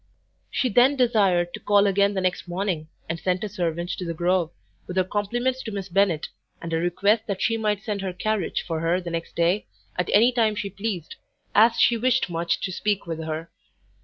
She then desired her to call again the next morning and sent a servant to the Grove, with her compliments to Miss Bennet, and a request that she might send her carriage for her the next day, at any time she pleased, as she wished much to speak with her.